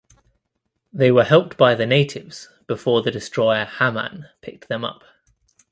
They were helped by the natives before the destroyer "Hammann" picked them up.